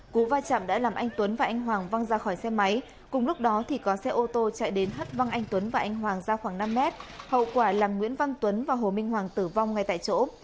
cú va chạm đã làm anh tuấn và anh hoàng văng ra khỏi xe máy cùng lúc đó thì có xe ô tô chạy đến hất văng anh tuấn và anh hoàng ra khoảng năm mét hậu quả làm nguyễn văn tuấn và hồ minh hoàng tử vong ngay tại chỗ